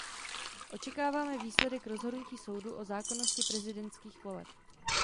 Očekáváme výsledek rozhodnutí soudu o zákonnosti prezidentských voleb.